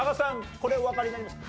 これおわかりになりますか？